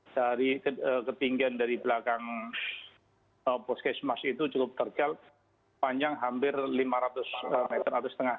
dari ketinggian dari belakang puskesmas itu cukup terjal panjang hampir lima ratus meter atau setengah